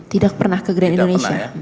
tidak pernah ke grand indonesia